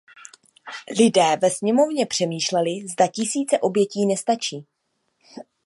Lidé ve sněmovně přemýšleli, zda tisíce obětí nestačí.